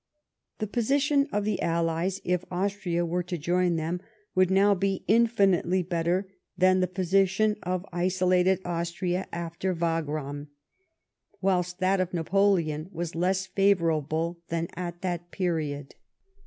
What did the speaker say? The position of the Allies, if Austria were to join them, would now be infinitely better than the position of isolated Austria after Wagram ; whiL 't that of Napoleon was less favourable than at that period.